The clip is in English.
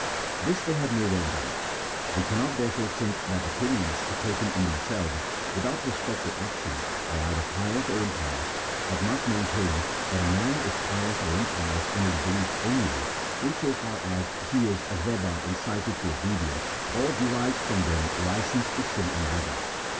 This they have nowhere done ; we cannot, therefore, think that opinions taken in themselves without respect to actions are either pious or impious, but must maintain that a man is pious or impious in his beliefs only in so far as CHAP. XIII.] OF THE SIMPLICITY OF SCRIPTURE. 181 lie is thereby incited to obedience, or derives from them license to sin and rebel.